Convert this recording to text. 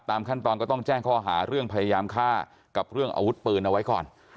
ขั้นตอนก็ต้องแจ้งข้อหาเรื่องพยายามฆ่ากับเรื่องอาวุธปืนเอาไว้ก่อน